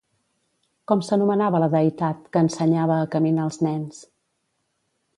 Com s'anomenava la deïtat que ensenyava a caminar els nens?